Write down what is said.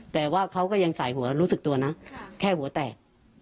แต่ว่าเขาก็ยังใส่หัวรู้สึกตัวนะแค่หัวแตก